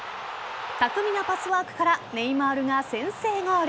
巧みなパスワークからネイマールが先制ゴール。